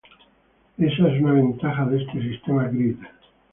Esa es una ventaja de este sistema grid.